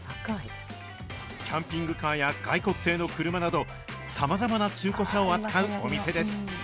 キャンピングカーや外国製の車など、さまざまな中古車を扱うお店です。